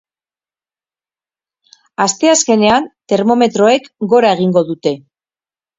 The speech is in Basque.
Asteazkenean termometroek gora egingo dute.